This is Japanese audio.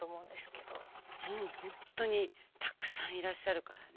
もう本当にたくさんいらっしゃるからね。